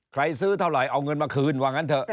ซื้อเท่าไหร่เอาเงินมาคืนว่างั้นเถอะ